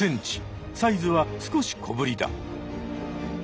サイズは少し小ぶりだ。